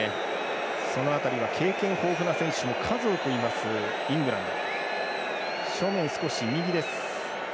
その辺りは経験豊富な選手も数多くいるイングランド。